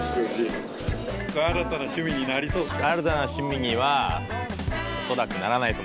新たな趣味になりそうですか？